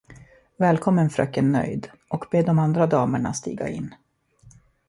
Välkommen fröken Nöjd och be de andra damerna stiga in.